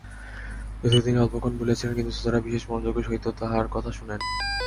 যদিও তিনি অল্পক্ষণ বলিয়াছিলেন, কিন্তু শ্রোতারা বিশেষ মনোযোগের সহিত তাঁহার কথা শুনেন।